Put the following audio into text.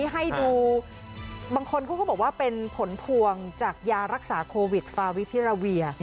ให้ดูบางคนเขาก็บอกว่าเป็นผลพวงจากยารักษาโควิดฟาวิพิราเวีย